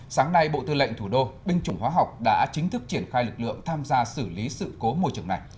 sáng nay bộ tư lệnh thủ đô binh chủng hóa học đã chính thức triển khai lực lượng tham gia xử lý sự cố môi trường này